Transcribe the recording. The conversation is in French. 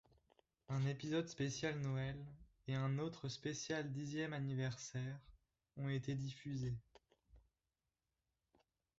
Un épisode spécial Noël, et un autre spécial dixième anniversaire, ont été diffusés.